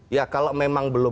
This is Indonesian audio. ya kalau memang belum